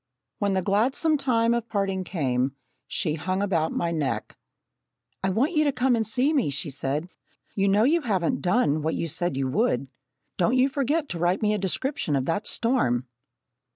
When the gladsome time of parting came, she hung about my neck. "I want you to come and see me," she said. "You know you haven't done what you said you would. Don't you forget to write me a description of that storm!"